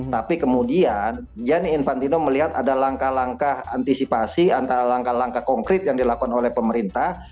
tapi kemudian yeni infantino melihat ada langkah langkah antisipasi antara langkah langkah konkret yang dilakukan oleh pemerintah